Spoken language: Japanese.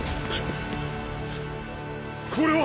これは。